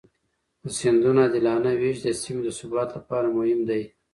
د سیندونو عادلانه وېش د سیمې د ثبات لپاره مهم دی.